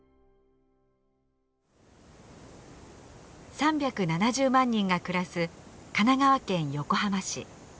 ３７０万人が暮らす神奈川県横浜市。